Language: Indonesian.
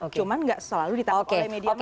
cuma nggak selalu ditangkap oleh media masyarakat